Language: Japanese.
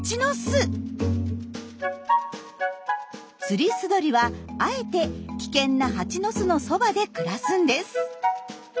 ツリスドリはあえて危険なハチの巣のそばで暮らすんです。